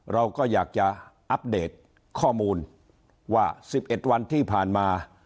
เราก็อยากจะอัปเดตข้อมูลว่า๑๑วันที่ผ่านมา